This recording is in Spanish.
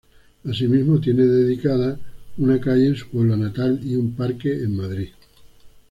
Asimismo tiene dedicada una calle en su pueblo natal y un parque en Madrid.